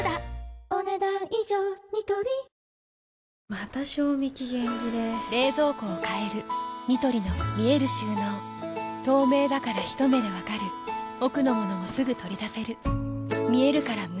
また賞味期限切れ冷蔵庫を変えるニトリの見える収納透明だからひと目で分かる奥の物もすぐ取り出せる見えるから無駄がないよし。